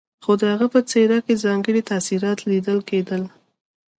خو د هغه په څېره کې ځانګړي تاثرات ليدل کېدل.